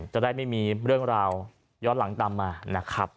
จะได้ไม่มีเรื่องราวย้อนหลังตามมานะครับ